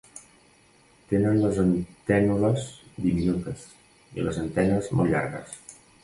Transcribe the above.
Tenen les antènules diminutes i les antenes molt llargues.